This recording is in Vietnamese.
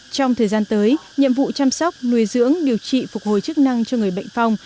trong thời gian tới nhiệm vụ chăm sóc nuôi dưỡng điều trị phục hồi chức năng cho người bệnh phong